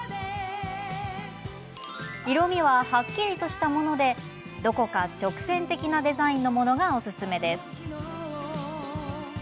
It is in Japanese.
色みは、はっきりとしたものでどこか直線的なデザインのものがおすすめです。